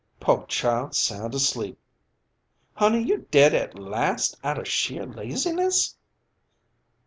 "Poor chile's soun' asleep." "Honey, you dead at last outa sheer laziness?"